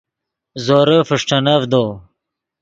زورے فݰٹینڤدو